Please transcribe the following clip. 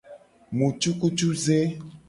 Mu cukucuze.